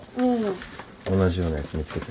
同じようなやつ見つけてさ